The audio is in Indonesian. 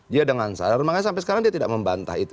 dia dengan sadar makanya sampai sekarang dia tidak membantah itu